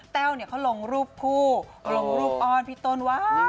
แต้วเนี่ยเค้าลงรูปคู่ลงรูปอ่อนพี่ต้นหวะ